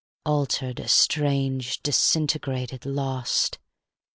Altered, estranged, disintegrated, lost.